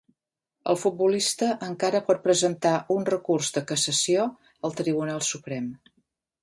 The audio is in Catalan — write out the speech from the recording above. El futbolista encara pot presentar un recurs de cassació al Tribunal Suprem.